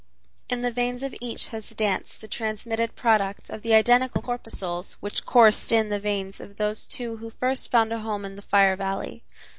In the veins of each has danced the transmitted product of the identical corpuscles which coursed in the veins of those two who first found a home in the Fire Valley.